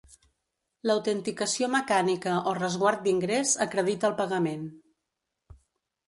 L'autenticació mecànica o resguard d'ingrés acredita el pagament.